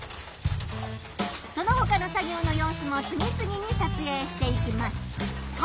そのほかの作業の様子も次々に撮影していきます。